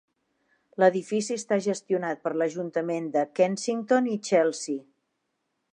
L"edifici està gestionat per l"Ajuntament de Kensington i Chelsea.